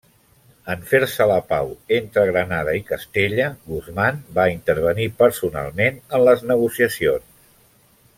En fer-se la pau entre Granada i Castella, Guzmán va intervenir personalment en les negociacions.